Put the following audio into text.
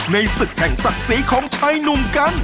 ศึกแห่งศักดิ์ศรีของชายหนุ่มกัน